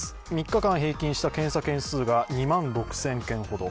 ３日間平均した検査件数が２万６０００件ほど。